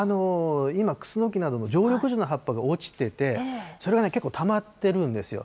今、クスノキなどの常緑樹の葉っぱが落ちてて、それが結構たまってるんですよ。